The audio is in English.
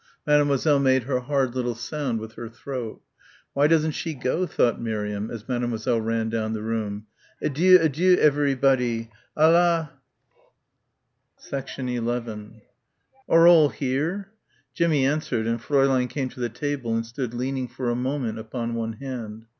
Mademoiselle made her hard little sound with her throat. "Why doesn't she go?" thought Miriam as Mademoiselle ran down the room. "Adieu, adieu evaireeboddie alla " 11 "Are all here?" Jimmie answered and Fräulein came to the table and stood leaning for a moment upon one hand.